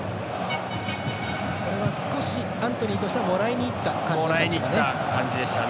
これはアントニーとしてはもらいにいった感じでしたね。